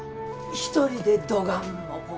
一人でどがんもこ